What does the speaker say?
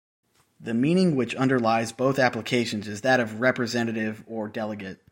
The meaning which underlies both applications is that of representative or delegate.